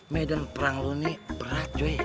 medan perang lo ini berat tuy